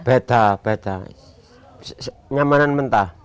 betah betah nyamanan mentah